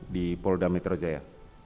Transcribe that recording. di polda metro jaya